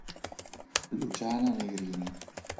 Luciana Negrini